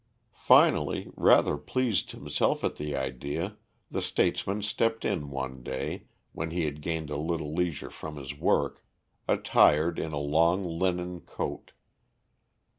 Finally, rather pleased himself at the idea, the statesman stepped in one day, when he had gained a little leisure from his work, attired in a long linen coat.